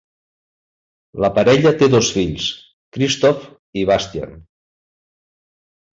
La parella té dos fills, Christoph i Bastian.